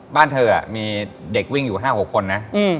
บ้านเธอมีเด็กวิ่งอยู่๕๖คนนะ